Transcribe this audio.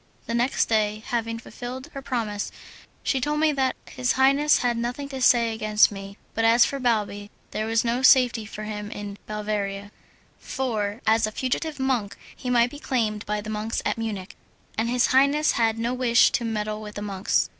The next day, having fulfilled her promise, she told me that his highness had nothing to say against me, but as for Balbi there was no safety for him in Bavaria, for as a fugitive monk he might be claimed by the monks at Munich, and his highness had no wish to meddle with the monks.